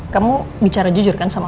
kamu bicara jujur kan sama